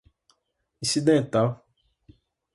incidental